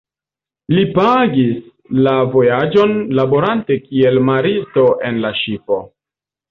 Li pagis la vojaĝon laborante kiel maristo en la ŝipo.